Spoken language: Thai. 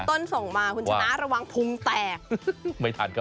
คุณต้นส่งมาคุณชนะระวังพุงแตก